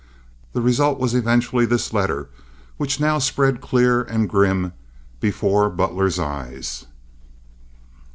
The result was eventually this letter which now spread clear and grim before Butler's eyes.